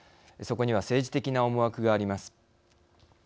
そこには政治的な思惑があります。